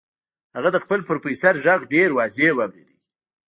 هغه د خپل پروفيسور غږ ډېر واضح واورېد.